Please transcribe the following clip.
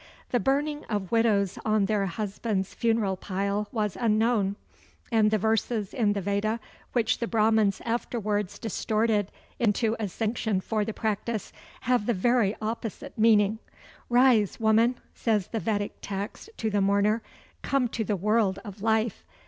The burning of widows on their husbands' funeral pile was unknown; and the verses in the Veda which the Brahmans afterwards distorted into a sanction for the practice, have the very opposite meaning. "Rise, woman," says the Vedic text to the mourner; "come to the world of life.